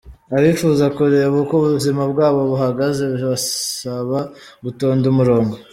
Abifuza kureba uko ubuzima bwabo buhagaze bibasaba gutonda umurongo.